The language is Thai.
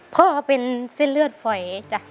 พ่อเป็นเส้นเลือดฝอยจ้ะ